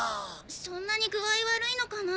そんなに具合悪いのかな？